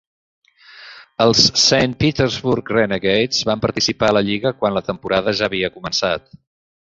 Els Saint Petersburg Renegades van participar a la lliga quan la temporada ja havia començat.